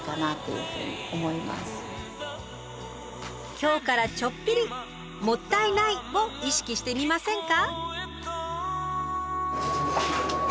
今日からちょっぴり「もったいない！」を意識してみませんか？